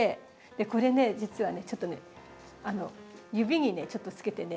これね実はねちょっとね指にねちょっとつけてね。